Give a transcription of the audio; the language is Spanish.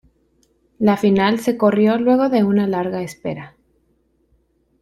La final se corrió luego de una larga espera.